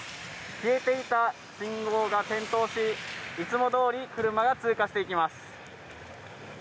消えていた信号が点灯し、いつも通り、車が通過していきます。